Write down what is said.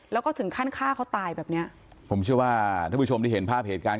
แล้วก็ถึงขั้นฆ่าเขาตายแบบเนี้ยผมเชื่อว่าท่านผู้ชมที่เห็นภาพเหตุการณ์